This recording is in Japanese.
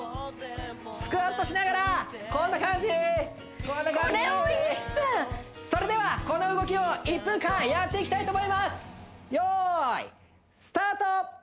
スクワットしながらこんな感じこれを１分それではこの動きを１分間やっていきたいと思います用意スタート！